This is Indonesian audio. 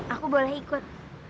aku boleh ikut